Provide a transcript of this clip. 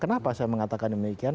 kenapa saya mengatakan demikian